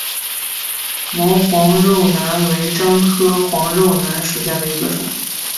毛黄肉楠为樟科黄肉楠属下的一个种。